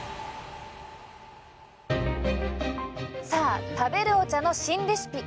さあ食べるお茶の新レシピ。